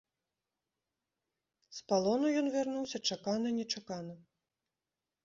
З палону ён вярнуўся чакана-нечакана.